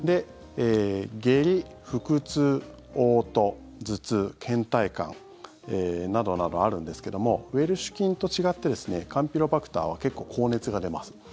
下痢、腹痛、おう吐、頭痛けん怠感などなどあるんですけどもウエルシュ菌と違ってカンピロバクターは結構、高熱が出ます。